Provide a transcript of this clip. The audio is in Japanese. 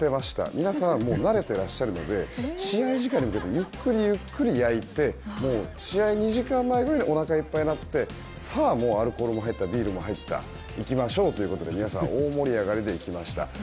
皆さん、慣れてらっしゃるので試合時間までゆっくりゆっくり焼いて試合２時間前くらいでおなかいっぱいになってアルコールも入ったビールも入った行きましょうということで皆さん、大盛り上がりで行きました。